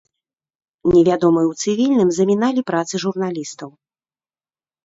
Невядомыя ў цывільным заміналі працы журналістаў.